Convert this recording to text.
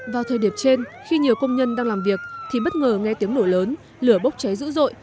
vào thời điểm trên khi nhiều công nhân đang làm việc thì bất ngờ nghe tiếng nổ lớn lửa bốc cháy dữ dội